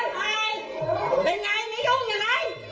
นี่หัวใญล่ะ